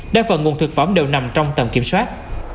đa phần nguồn thực phẩm đều nằm trong tầm kiểm soát